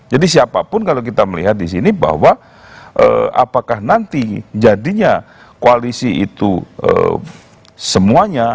jadi siapapun kalau kita melihat disini bahwa apakah nanti jadinya koalisi itu semuanya